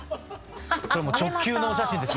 これもう直球のお写真ですね。